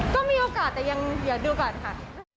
ก็มีโอกาสแต่ยังอย่าดูก่อนค่ะ